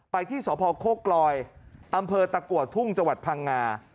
ไปที่สพโคกรอยอตะกวดทุ่งจพังงา